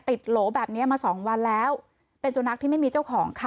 โหลแบบนี้มาสองวันแล้วเป็นสุนัขที่ไม่มีเจ้าของค่ะ